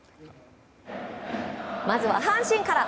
まずは阪神から。